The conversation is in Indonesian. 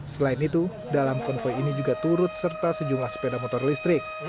selain itu dalam konvoy ini juga turut serta sejumlah sepeda motor listrik